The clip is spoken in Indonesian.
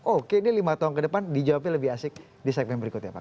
oke ini lima tahun ke depan dijawabnya lebih asik di segmen berikutnya pak